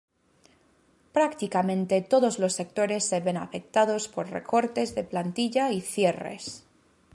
Prácticamente todos los sectores se ven afectados por recortes de plantilla y cierres.